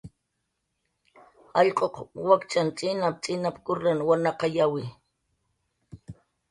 "Jallq'uq wakchan t'inap"" t'inap"" kurlan walnaqayawi"